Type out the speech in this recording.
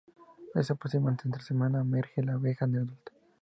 En aproximadamente otra semana, emerge la abeja adulta.